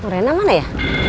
ren mana ya